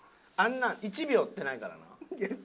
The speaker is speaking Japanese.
あんなん１秒ってないからな。